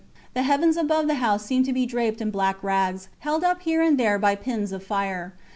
The heavens above the house seemed to be draped in black rags, held up here and there by pins of fire.